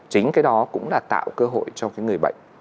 chính cái đó cũng là tạo cơ hội cho cái người bệnh